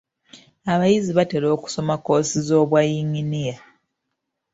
Abayizi batera okusoma koosi z'obwa yinginiya.